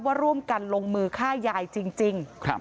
ว่าร่วมกันลงมือฆ่ายายจริง